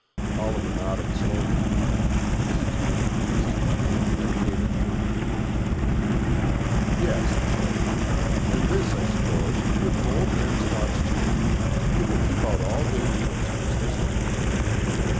Oliver nodded slowly. He, too, seemed to be in a meditative mood. "Yes," he said. "And this, I suppose, will mould men's thoughts too: it will keep out all danger of superstition."